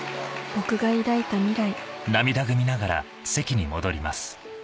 僕が抱いた未来